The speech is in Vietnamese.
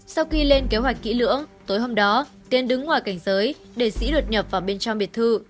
sau khi lên kế hoạch kỹ lưỡng tối hôm đó tiến đứng ngoài cảnh giới để sĩ đột nhập vào bên trong biệt thự